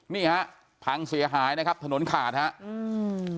นี่ฮะพังเสียหายนะครับถนนขาดฮะอืม